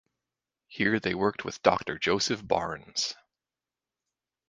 Here they worked with Dr Joseph Barnes.